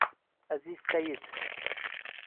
Aziz Said